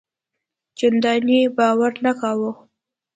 چنداني باور نه کاوه.